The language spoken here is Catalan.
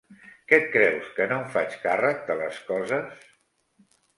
Que et creus que no em faig càrrec de les coses?